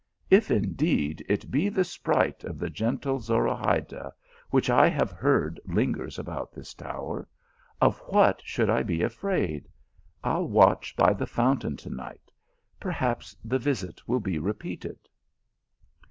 If indeed it be the sprite of the gentle Zorahayda, which I have heard lingers about this tower, of what should I be afraid ? I ll watch by the fountain to night, perhaps the visit will be repeated."